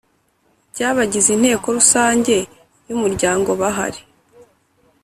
by abagize Inteko Rusange y Umuryango bahari